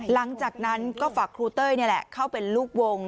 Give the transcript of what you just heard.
หลังจากนั้นก็ฝากครูเต้ยนี่แหละเข้าเป็นลูกวง